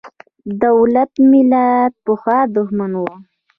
د دولت–ملت پخوا دښمن و.